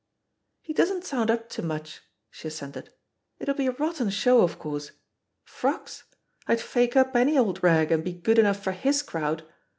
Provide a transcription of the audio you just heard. "He doesn't sound up to much," she assented. "It'll be a rotten show, of course. Frocks? I'd fake up any old rag and be good enough for hi» crowd.